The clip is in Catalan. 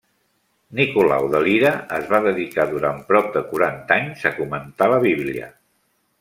Nicolau de Lira es va dedicar durant prop de quaranta anys a comentar la Bíblia.